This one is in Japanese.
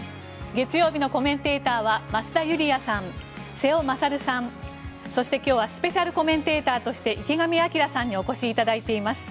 月曜日のコメンテーターは増田ユリヤさん、瀬尾傑さんそして、今日はスペシャルコメンテーターとして池上彰さんにお越しいただいています。